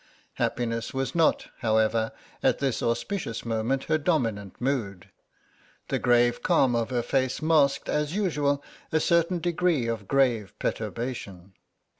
Happiness was not, however, at this auspicious moment, her dominant mood. The grave calm of her face masked as usual a certain degree of grave perturbation.